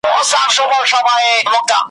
بيا به دا آسمان شاهد وي `